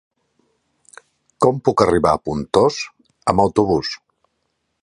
Com puc arribar a Pontós amb autobús?